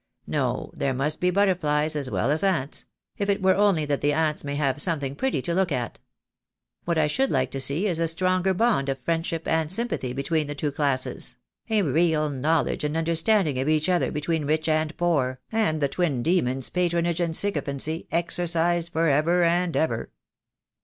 No, there must be butterflies as well as ants — if it were only that the ants may have something pretty to look at. What I should like to see is a stronger bond of friendship and sympathy between the two classes — a real knowledge and understanding of each other between rich and poor, and the twin demons Patronage and Sycophancy exorcised for ever and ever."